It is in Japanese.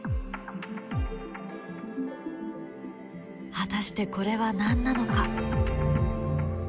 果たしてこれは何なのか？